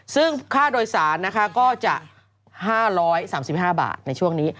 ซึ่งค่าโดยสารนะคะก็จะ๕๓๕บาทในช่วงนี้